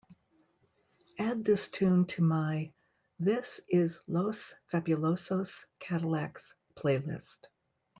Add this tune to my this is Los Fabulosos Cadillacs playlist